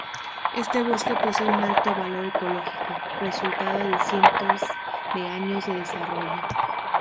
Este bosque posee un alto valor ecológico, resultado de cientos de años de desarrollo.